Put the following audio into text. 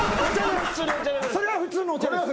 それは普通のお茶です。